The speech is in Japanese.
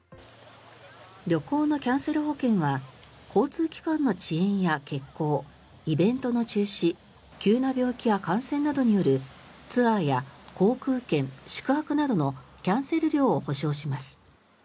旅行のキャンセル保険は交通機関の遅延や欠航イベントの中止急な病気や感染などによるツアーや航空券、宿泊などのキャンセル料を補償します。